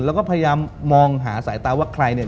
แล้วก็พยายามมองหาสายตาว่าใครเนี่ย